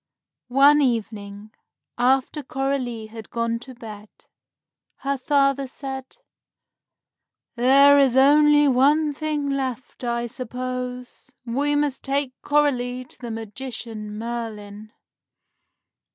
One evening, after Coralie had gone to bed, her father said, "There is only one thing left, I suppose. We must take Coralie to the magician, Merlin."